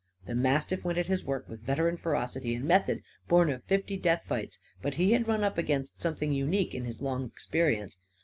The mastiff went at his work with veteran ferocity and method, born of fifty death fights. But he had run up against something unique in his long experience.